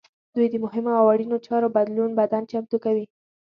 دوی د مهمو او اړینو چارو لپاره بدن چمتو کوي.